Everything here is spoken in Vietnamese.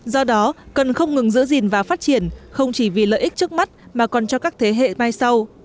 do đó cần không ngừng giữ gìn và phát triển không chỉ vì lợi ích trước mắt mà còn cho các thế hệ mai sau